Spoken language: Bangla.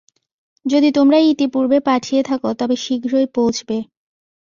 যদি তোমরা ইতিপূর্বেই পাঠিয়ে থাকো, তবে শীঘ্রই পৌঁছবে।